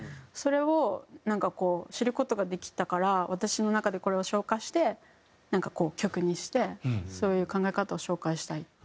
それをなんかこう知る事ができたから私の中でこれを消化してなんかこう曲にしてそういう考え方を紹介したい。